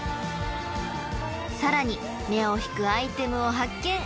［さらに目を引くアイテムを発見］